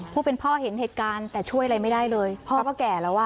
ผู้เป็นพ่อเห็นเหตุการณ์แต่ช่วยอะไรไม่ได้เลยพ่อก็แก่แล้วอ่ะ